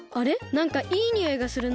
なんかいいにおいがするな。